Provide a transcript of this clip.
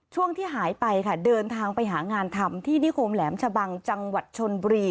ช่วงที่หายไปค่ะเดินทางไปหางานทำที่นิคมแหลมชะบังจังหวัดชนบุรี